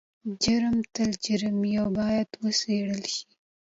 جرم تل جرم وي او باید وڅیړل شي.